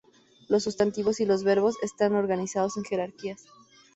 Los sustantivos y los verbos están organizados en jerarquías.